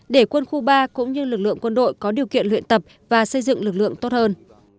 để quân khu ba cũng như lực lượng quân đội có điều kiện luyện tập và xây dựng lực lượng tốt hơn